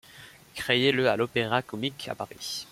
Créé le à l’Opéra-Comique à Paris.